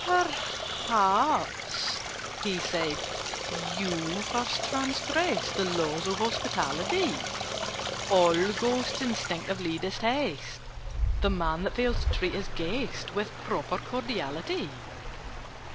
"Perhaps," he said, "you first transgressed The laws of hospitality: All Ghosts instinctively detest The Man that fails to treat his guest With proper cordiality.